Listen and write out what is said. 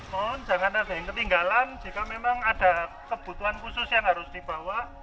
mohon jangan ada yang ketinggalan jika memang ada kebutuhan khusus yang harus dibawa